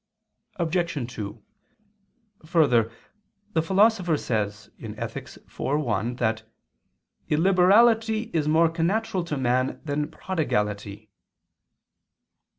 Obj. 2: Further, the Philosopher says (Ethic. iv, 1) that "illiberality is more connatural to man than prodigality."